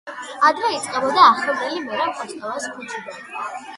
ადრე იწყებოდა ახლანდელი მერაბ კოსტავას ქუჩიდან.